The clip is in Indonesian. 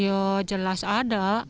ya jelas ada